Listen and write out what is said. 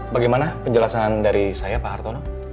bagaimana penjelasan dari saya pak hartono